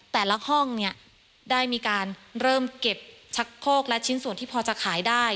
แต่ละห้องเนี่ยได้มีการเริ่มเก็บชักโคกและชิ้นส่วนที่พอจะขายได้